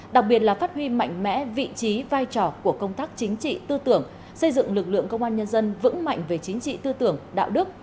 đặc biệt là phát huy mạnh mẽ vị trí vai trò của công tác chính trị tư tưởng xây dựng lực lượng công an nhân dân vững mạnh về chính trị tư tưởng đạo đức